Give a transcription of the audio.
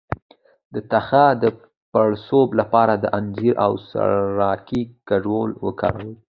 د تخه د پړسوب لپاره د انځر او سرکې ګډول وکاروئ